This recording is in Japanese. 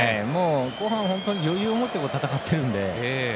後半は本当に余裕を持って戦っているので。